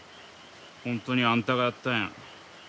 本当にあんたがやったんやな。